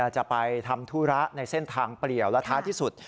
จะไปทำธุระในเส้นทางเปลี่ยวและท้ายที่สุด